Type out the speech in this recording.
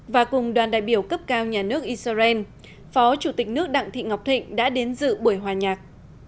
và cùng đoàn đại biểu cấp cao nhà nước israel phó chủ tịch nước đặng thị ngọc thịnh đã đến dự buổi hòa nhạc